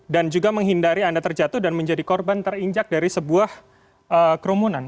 dan juga menghindari anda terjatuh dan menjadi korban terinjak dari sebuah kerumunan